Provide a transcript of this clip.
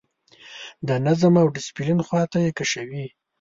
د نظم او ډسپلین خواته یې کشوي.